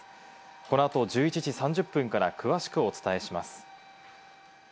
この後、１１時３０分から詳しくお伝えします。